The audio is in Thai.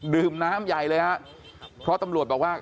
ดื่มน้ำใหญ่เลยฮะเพราะตำรวจบอกว่า